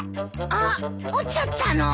あっ折っちゃったの？